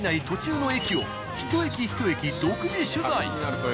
途中の駅をひと駅ひと駅独自取材。